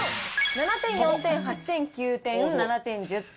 ７点４点８点９点７点１０点。